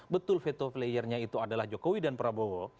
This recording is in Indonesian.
betul veto player nya itu adalah jokowi dan prabowo